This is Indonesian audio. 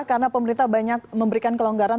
karena pemerintah banyak memberikan kelonggaran